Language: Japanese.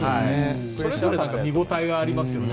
それぞれ見応えがありますよね。